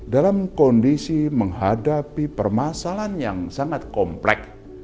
dalam kondisi menghadapi permasalahan yang sangat komplek